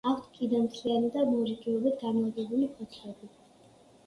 აქვთ კიდემთლიანი და მორიგეობით განლაგებული ფოთლები.